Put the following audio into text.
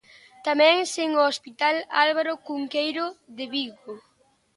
Tamén sen o Hospital Álvaro Cunqueiro, de Vigo.